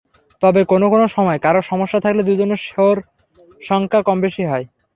তবে কোনো কোনো সময় কারোর সমস্যা থাকলে দুজনের শোর সংখ্যা কমবেশি হয়।